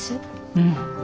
うん。